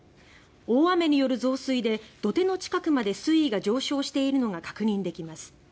大雨による増水で土手の近くまで水位が上昇しているのが確認できます。